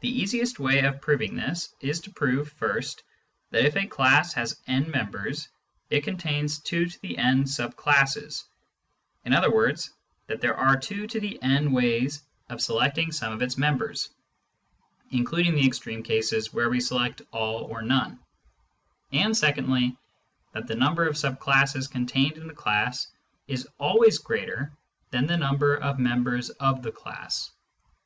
The easiest way of proving this is to prove, first, that if a class has n members, it contains 2™ sub classes — in other words, that there are 2" ways Infinite Cardinal Numbers 85 of selecting some of its members (including the extreme cases where we select all or none) ; and secondly, that the number of sub classes contained in a class is always greater than the number of members of the class.